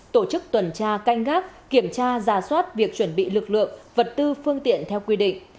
tổ chức tuần tra canh gác kiểm tra giả soát việc chuẩn bị lực lượng vật tư phương tiện theo quy định